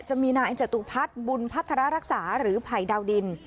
จะมีนายจตุพัฒน์บุญพัฒนารักษาหรือภัยดาวดิน